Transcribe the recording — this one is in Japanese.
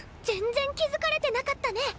全然気付かれてなかったね！